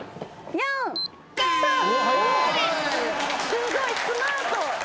すごいスマート。